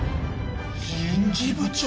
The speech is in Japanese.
「人事部長！？」